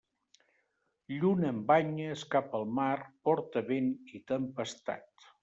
Lluna amb banyes cap al mar porta vent i tempestat.